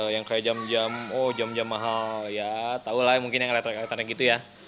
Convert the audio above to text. yang kayak jam jam oh jam jam mahal ya tau lah mungkin yang kelihatannya gitu ya